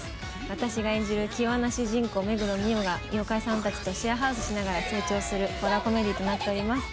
私が演じる気弱な主人公目黒澪が妖怪さんたちとシェアハウスしながら成長するホラーコメディーとなっております。